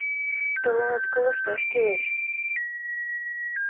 Тыланет колышташ кӱлеш...